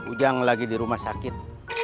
ujang lagi di rumah sakit